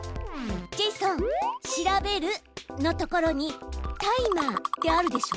ジェイソン「調べる」のところに「タイマー」ってあるでしょ。